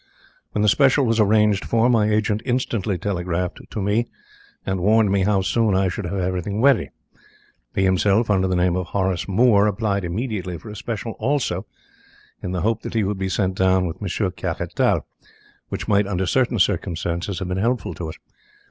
When the special was arranged for, my agent instantly telegraphed to me and warned me how soon I should have everything ready. He himself under the name of Horace Moore applied immediately for a special also, in the hope that he would be sent down with Monsieur Caratal, which might under certain circumstances have been helpful to us.